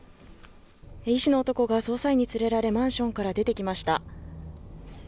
医師の男が捜査員に連れられマンションから出てきました